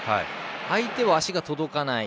相手は足が届かない。